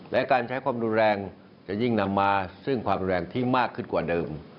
และการใช้ความรุนแรงจะยิ่งนำมาซึ่งความรุนแรงที่มากขึ้นกว่าเดิม